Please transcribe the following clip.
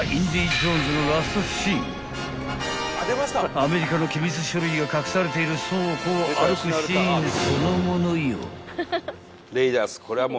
アメリカの機密書類が隠されている倉庫を歩くシーンそのものよ］